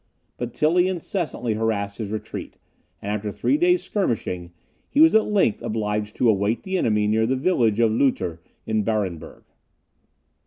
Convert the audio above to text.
But Tilly incessantly harassed his retreat, and after three days' skirmishing, he was at length obliged to await the enemy near the village of Lutter in Barenberg.